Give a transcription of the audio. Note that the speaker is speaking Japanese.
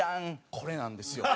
これなんですよ。